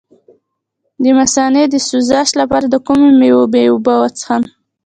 د مثانې د سوزش لپاره د کومې میوې اوبه وڅښم؟